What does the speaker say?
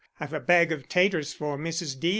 I've a bag of taters for Mrs. Deo."